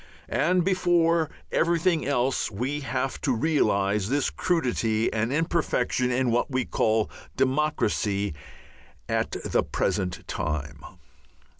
And before everything else we have to realize this crudity and imperfection in what we call "democracy" at the present time.